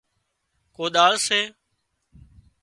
ڪوۮاۯ سي